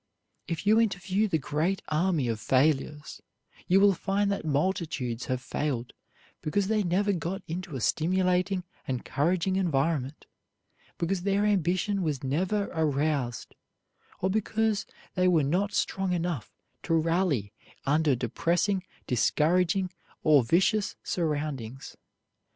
If you interview the great army of failures, you will find that multitudes have failed because they never got into a stimulating, encouraging environment, because their ambition was never aroused, or because they were not strong enough to rally under depressing, discouraging, or vicious surroundings.